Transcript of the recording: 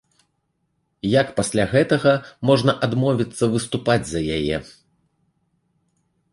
Як пасля гэтага можна адмовіцца выступаць за яе?